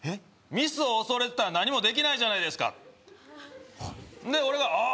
ミスを恐れてたら何もできないじゃないですかで俺がああー